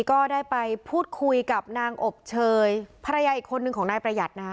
ก็ได้ไปพูดคุยกับนางอบเชยภรรยาอีกคนนึงของนายประหยัดนะคะ